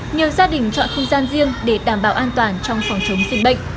nhiều gia đình chọn không gian riêng để đảm bảo an toàn trong phòng chống dịch bệnh